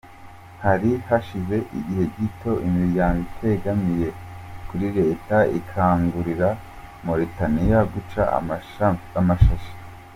Hari hashize igihe gito, imiryango itegamiye kuri Leta ikangurira Mauritania guca amashashi.